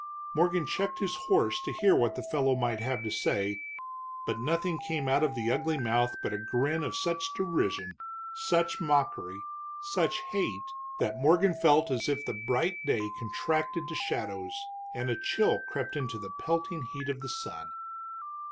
Morgan checked his horse to hear what the fellow might have to say, but nothing came out of the ugly mouth but a grin of such derision, such mockery, such hate, that Morgan felt as if the bright day contracted to shadows and a chill crept into the pelting heat of the sun.